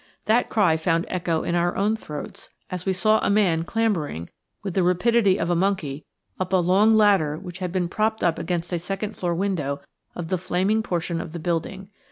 That cry found echo in our own throats as we saw a man clambering, with the rapidity of a monkey, up a long ladder which had been propped up against a second floor window of the flaming portion of the building.